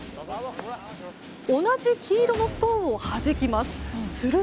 同じ黄色のストーンをはじきます。